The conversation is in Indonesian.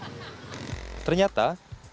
ternyata tak jauh dari jalan inspeksi kalimalang